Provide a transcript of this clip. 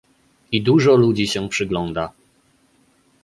"I dużo ludzi się przygląda."